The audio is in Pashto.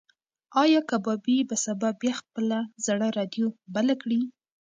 ایا کبابي به سبا بیا خپله زړه راډیو بله کړي؟